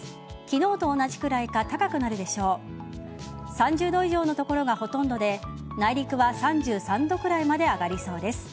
３０度以上の所がほとんどで内陸は３３度ぐらいまで上がりそうです。